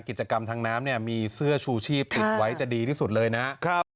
กิจกรรมทางน้ำเนี่ยมีเสื้อชูชีพติดไว้จะดีที่สุดเลยนะครับ